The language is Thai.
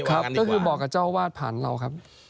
ครับก็คือบอกกับเจ้าวาดผ่านเราครับ